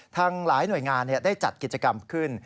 หลายหน่วยงานได้จัดกิจกรรมขึ้น